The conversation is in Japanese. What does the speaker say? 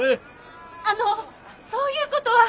あのそういうことは！ねえ？